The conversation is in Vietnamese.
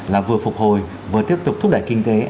là vừa phục hồi vừa tiếp tục thúc đẩy kinh tế